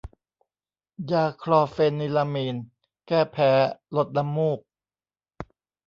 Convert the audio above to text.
ยาคลอร์เฟนิรามีน แก้แพ้ ลดน้ำมูก